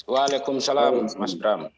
waalaikumsalam mas bram